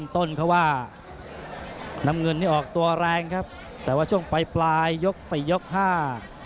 ต้นเขาว่าน้ำเงินนี่ออกตัวแรงครับแต่ว่าช่วงปลายปลายยกสี่ยกห้า